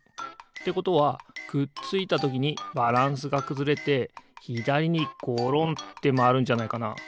ということはくっついたときにバランスがくずれてひだりにごろんってまわるんじゃないかな？